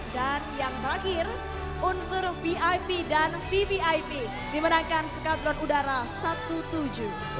dan yang terakhir unsur vip dan vvip dimenangkan skadron udara satu tujuh